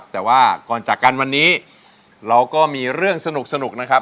แต่ว่าก่อนจากกันวันนี้เราก็มีเรื่องสนุกนะครับ